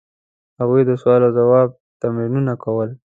هغوی د سوال او ځواب تمرینونه کول.